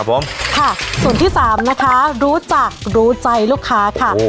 ผมค่ะส่วนที่สามนะคะรู้จักรู้ใจลูกค้าค่ะ